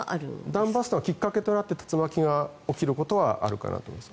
ダウンバーストがきっかけとなって竜巻が起こることはあるかなと思います。